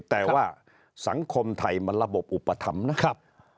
แต่ว่าสังคมไทยมันระบบอุปฏิภัณฑ์นะ